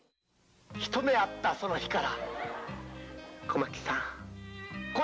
一目会ったその日から。